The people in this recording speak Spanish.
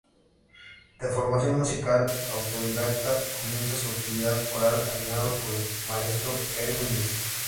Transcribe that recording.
De formación musical autodidacta, comienza su actividad coral animado por el Maestro Erwin List.